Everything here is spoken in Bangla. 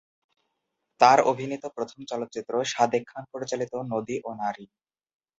তার অভিনীত প্রথম চলচ্চিত্র সাদেক খান পরিচালিত ‘নদী ও নারী’।